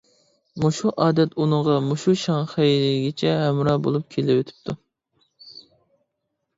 مۇشۇ ئادەت ئۇنىڭغا مۇشۇ شاڭخەيگىچە ھەمراھ بولۇپ كېلىۋېتىپتۇ.